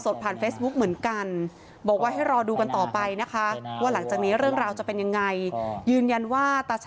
ตากับยายก็รักหลานหมดทุกคนนะครับ